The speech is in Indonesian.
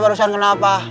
barusan kamu kenapa